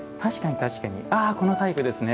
確かに、このタイプですね。